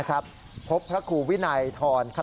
สายลูกไว้อย่าใส่